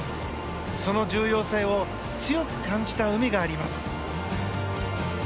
その重要性を強く感じた海があります。